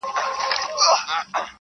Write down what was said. کوم ظالم چي مي غمی را څه پټ کړی.